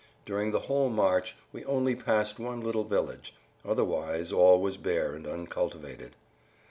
During the whole march we only passed one little village; otherwise all was bare and uncultivated.